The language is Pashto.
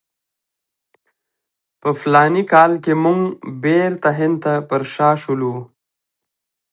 په فلاني کال کې موږ بیرته هند ته پر شا شولو.